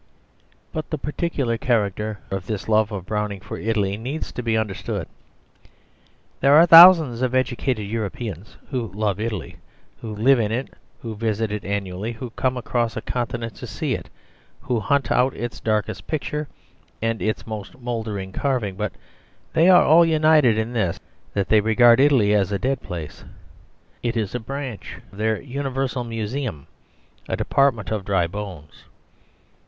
But the particular character of this love of Browning for Italy needs to be understood. There are thousands of educated Europeans who love Italy, who live in it, who visit it annually, who come across a continent to see it, who hunt out its darkest picture and its most mouldering carving; but they are all united in this, that they regard Italy as a dead place. It is a branch of their universal museum, a department of dry bones.